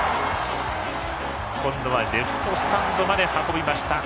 今度はレフトスタンドまで運びました。